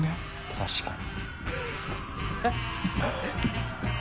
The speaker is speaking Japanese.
確かに。